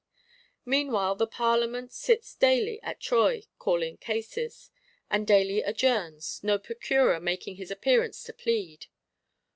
Meanwhile the Parlement sits daily at Troyes, calling cases; and daily adjourns, no Procureur making his appearance to plead.